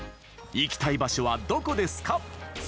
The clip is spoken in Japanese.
行きたい場所はどこですか？